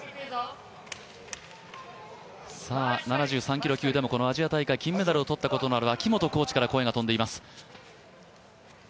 ７３キロ級でも金メダルを取ったことがある秋本コーチから声が飛んでいます。